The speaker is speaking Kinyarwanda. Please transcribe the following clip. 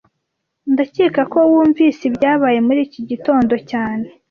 Ndakeka ko wumvise ibyabaye muri iki gitondo cyane